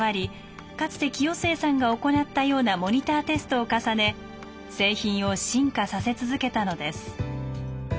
かつて清末さんが行ったようなモニターテストを重ね製品を進化させ続けたのです。